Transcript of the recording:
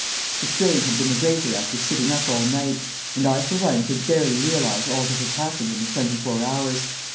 The strain had been the greater after sitting up all night, and I for one could barely realise all that had happened in the twenty four hours.